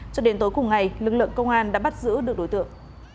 cho đến tối cùng ngày lực lượng công an đã bắt giữ được đối tượng